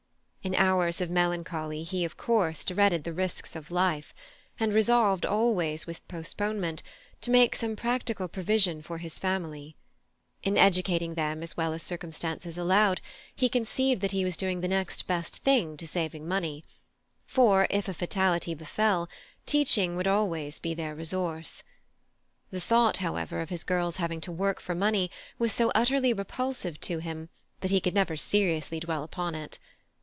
In hours of melancholy he had of course dreaded the risks of life, and resolved, always with postponement, to make some practical provision for his family; in educating them as well as circumstances allowed, he conceived that he was doing the next best thing to saving money, for, if a fatality befell, teaching would always be their resource. The thought, however, of his girls having to work for money was so utterly repulsive to him that he could never seriously dwell upon it.